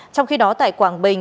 trong khi đó tại quảng bình